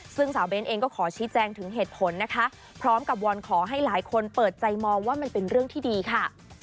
ซึ่งสาวเบ้นเองก็ขอชี้แจงถึงเหตุผลนะคะพร้อมกับวอนขอให้หลายคนเปิดใจมองว่ามันเป็นเรื่องที่ดีค่ะ